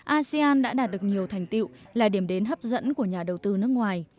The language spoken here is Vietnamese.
asean đã đạt được nhiều thành tiệu là điểm đến hấp dẫn của nhà đầu tư nước ngoài